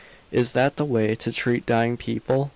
"Is that the way to treat dying people?